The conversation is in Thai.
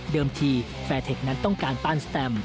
เดิมที่แฟร์เท็กส์นั้นต้องการปั้นแสตม